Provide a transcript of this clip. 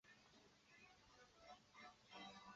疏羽碎米蕨为中国蕨科碎米蕨属下的一个种。